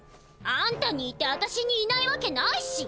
あんたにいてあたしにいないわけないし！